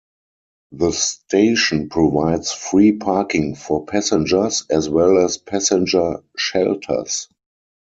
The station provides free parking for passengers, as well as passenger shelters.